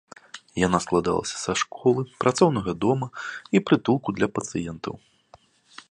Яна складалася са школы, працоўнага дома і прытулку для пацыентаў.